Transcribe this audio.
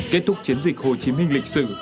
kết thúc chiến dịch hồ chí minh lịch sử